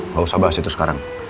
nggak usah bahas itu sekarang